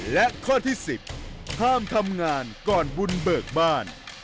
และข้อที่๑๐ห้ามทำงานก่อนบุญเบิกบ้าน